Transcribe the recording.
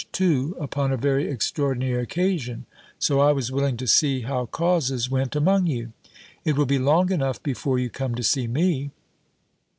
too upon a very extraordinary occasion; so I was willing to see how causes went among you. It will be long enough before you come to see me."